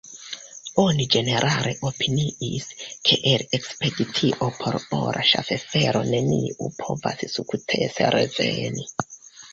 Oni ĝenerale opiniis, ke el ekspedicio por ora ŝaffelo neniu povas sukcese reveni.